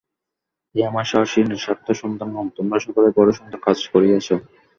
হে আমার সাহসী নিঃস্বার্থ সন্তানগণ, তোমরা সকলেই বড় সুন্দর কার্য করিয়াছ।